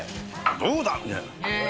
どうだ！みたいな。